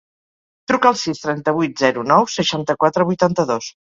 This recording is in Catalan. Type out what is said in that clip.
Truca al sis, trenta-vuit, zero, nou, seixanta-quatre, vuitanta-dos.